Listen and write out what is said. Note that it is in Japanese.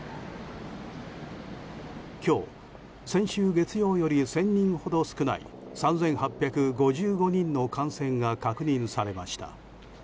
今日、先週月曜より１０００人ほど少ない３８５５人の感染が確認されました。